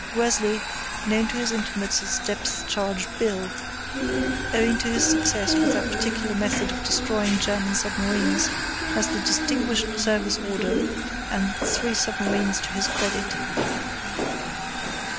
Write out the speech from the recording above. Worsley, known to his intimates as Depth Charge Bill, owing to his success with that particular method of destroying German submarines, has the Distinguished Service Order and three submarines to his credit.